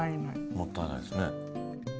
もったいないですね。